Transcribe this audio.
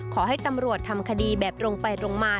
ขอให้ตำรวจทำคดีแบบตรงไปตรงมา